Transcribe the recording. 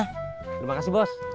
terima kasih bos